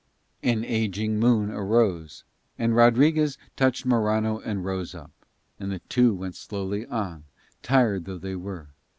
An ageing moon arose, and Rodriguez touched Morano and rose up; and the two went slowly on, tired though they were.